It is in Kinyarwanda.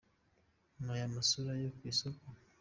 Naya masura yo kwisoko